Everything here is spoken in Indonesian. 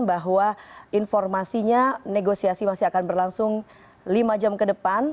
bahwa informasinya negosiasi masih akan berlangsung lima jam ke depan